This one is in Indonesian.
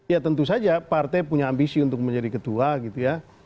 ya tentu saja partai punya ambisi untuk menjadi ketua gitu ya